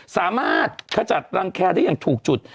สามารถขจัดรังแครได้อย่างถูกจุด